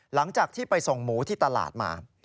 หลังจากที่ไปส่งหมูที่ตลาดมา